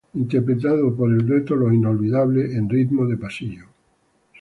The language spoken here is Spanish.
Interpretado por el dueto Los Inolvidables en ritmo de pasillo.